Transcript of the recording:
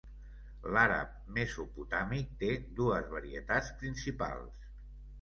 L'àrab mesopotàmic té dues varietats principals.